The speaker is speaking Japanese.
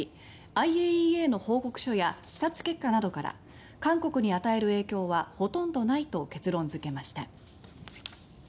ＩＡＥＡの報告書や視察結果などから韓国に与える影響はほとんどないと結論付けました。